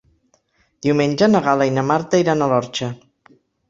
Diumenge na Gal·la i na Marta iran a l'Orxa.